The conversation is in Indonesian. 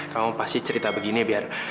kamu pasti cerita begini biar